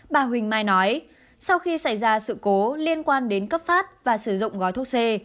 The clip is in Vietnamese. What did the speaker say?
bà huỳnh mai nói sau khi xảy ra sự cố liên quan đến cấp phát và sử dụng gói thuốc c